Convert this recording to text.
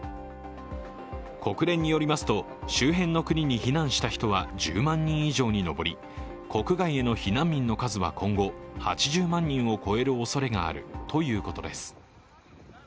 国連によりますと周辺の国に避難した人は１０万人以上に上り、国外への避難民の数は今後今後、８０万人を超えるおそれがあるということです。